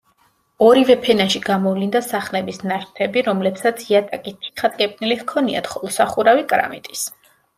ორივე ფენაში გამოვლინდა სახლების ნაშთები, რომლებსაც იატაკი თიხატკეპნილი ჰქონიათ, ხოლო სახურავი კრამიტის.